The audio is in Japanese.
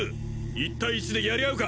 １対１でやり合うか？